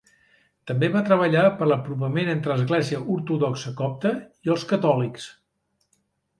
També va treballar per l'apropament entre l'Església Ortodoxa Copta i els catòlics.